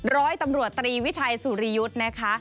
ร้อยตำรวจตรีวิชัยสุริยุทธ์นะคะ